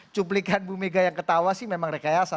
cuplikan bu mega yang ketawa sih memang rekayasa